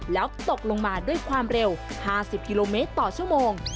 แล้วตกลงมาด้วยความเร็ว๕๐กิโลเมตรต่อชั่วโมง